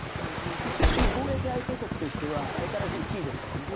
一応でも貿易相手国としては相変わらず１位ですからね。